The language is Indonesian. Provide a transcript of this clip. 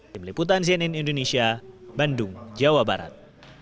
di meliputan zenin indonesia bandung jawa barat